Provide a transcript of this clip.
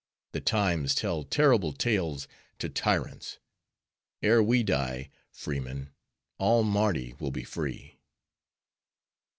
The times tell terrible tales to tyrants! Ere we die, freemen, all Mardi will be free."